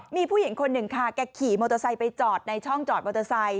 มีผู้หญิงคนหนึ่งค่ะแกขี่มอเตอร์ไซค์ไปจอดในช่องจอดมอเตอร์ไซค